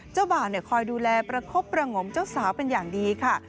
เจ้าบ่าวคอยดูแลประคบประงมเจ้าสาวเป็นอย่างดีค่ะ